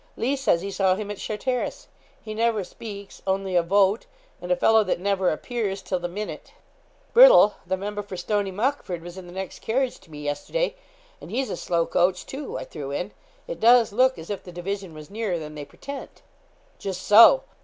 Lee says he saw him at Charteris. He never speaks only a vote and a fellow that never appears till the minute.' 'Brittle, the member for Stoney Muckford, was in the next carriage to me yesterday; and he's a slow coach, too,' I threw in. 'It does look as if the division was nearer than they pretend.' 'Just so.